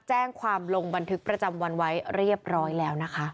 แจ้งความลงบันทึกประจำวันไว้เรียบร้อยแล้วนะคะ